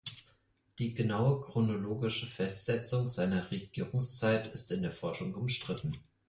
Die genaue chronologische Festsetzung seiner Regierungszeit ist in der Forschung umstritten.